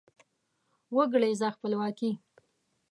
وګړیزه خپلواکي